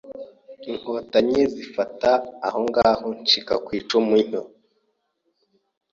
inkotanyi zifata ahongaho ncika ku icumu gutyo